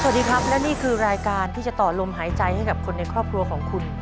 สวัสดีครับและนี่คือรายการที่จะต่อลมหายใจให้กับคนในครอบครัวของคุณ